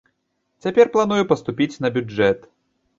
Цяпер планую паступіць на бюджэт.